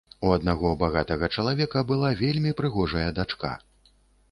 У аднаго багатага чалавека была вельмі прыгожая дачка.